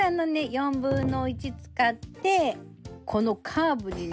４分の１使ってこのカーブにね